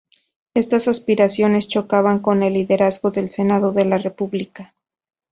Estas aspiraciones chocaban con el liderazgo del senado en la República.